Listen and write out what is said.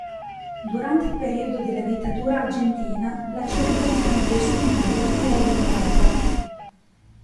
Durante il periodo della dittatura argentina, la circolazione dei suoi libri era limitata.